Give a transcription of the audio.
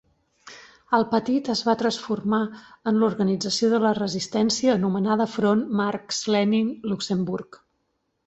El patit es va transformar en l'organització de la resistència anomenada Front Marx-Lenin-Luxemburg.